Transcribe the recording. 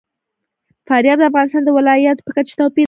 فاریاب د افغانستان د ولایاتو په کچه توپیر لري.